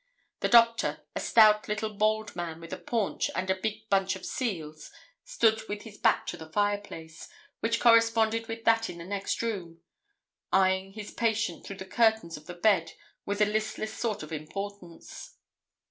The doctor, a stout little bald man, with a paunch and a big bunch of seals, stood with his back to the fireplace, which corresponded with that in the next room, eyeing his patient through the curtains of the bed with a listless sort of importance.